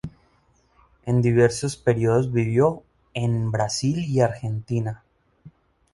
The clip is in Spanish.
En diversos periodos vivió en Brasil y Argentina.